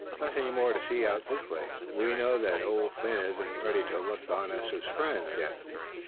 "Nothing more to see out this way. We know that Old Phin isn't ready to look on us as friends yet.